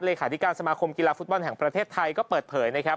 เลขาธิการสมาคมกีฬาฟุตบอลแห่งประเทศไทยก็เปิดเผยนะครับ